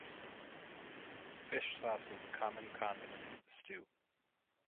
Fish sauce is a common condiment for the stew.